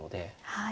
はい。